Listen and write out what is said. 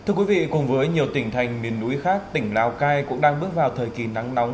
cùng với nhiều tỉnh thành miền núi khác tỉnh lào cai cũng đang bước vào thời kỳ nắng nóng